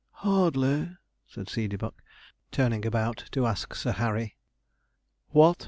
'Hardly,' said Seedeybuck, turning about to ask Sir Harry. 'What!